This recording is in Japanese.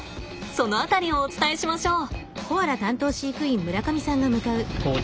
その辺りをお伝えしましょう。